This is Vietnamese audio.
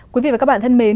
quý vị và các bạn thân mến